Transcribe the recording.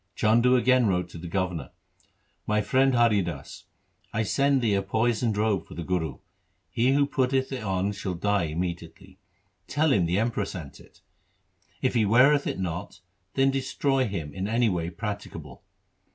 Chandu again wrote to the governor, ' My friend Hari Das, I send thee a poisoned robe for the Guru. He who putteth it on shall die immediately. Tell him the Emperor sent it. If he weareth it not, then destroy him in any way practicable.